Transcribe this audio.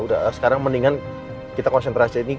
udah udah sekarang mendingan kita konsentrasi aja ini